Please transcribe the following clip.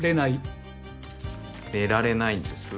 寝られないんです。